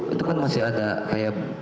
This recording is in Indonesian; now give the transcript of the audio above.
itu kan masih ada kayak